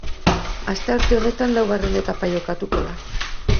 Astearte honetan laugarren etapa jokatuko da.